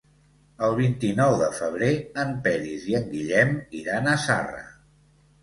El vint-i-nou de febrer en Peris i en Guillem iran a Zarra.